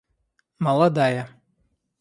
молодая